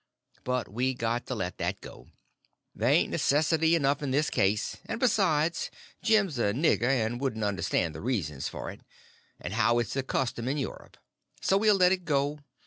But we got to let that go. There ain't necessity enough in this case; and, besides, Jim's a nigger, and wouldn't understand the reasons for it, and how it's the custom in Europe; so we'll let it go.